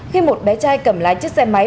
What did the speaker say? khi một bé trai cầm lái chiếc xe máy